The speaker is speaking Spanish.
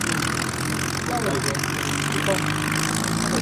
Y su advocación a María Magdalena remite a su labor y generosidad.